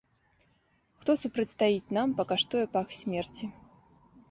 Хто супрацьстаіць нам, пакаштуе пах смерці!